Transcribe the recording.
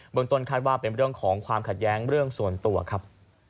เมืองต้นคาดว่าเป็นเรื่องของความขัดแย้งเรื่องส่วนตัวครับ